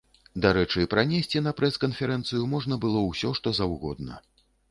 Дарэчы, пранесці на прэс-канферэнцыю можна было ўсё, што заўгодна.